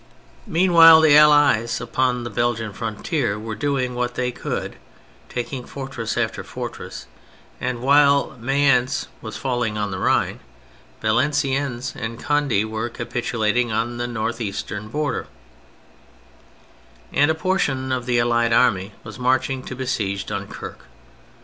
Meanwhile the Allies upon the Belgian frontier were doing what they could, taking fortress after fortress, and while Mayence was falling on the Rhine, Valenciennes and Cond6 were capitulating on the north eastern border, and a portion of the Allied Army was marching to besiege Dunquerque.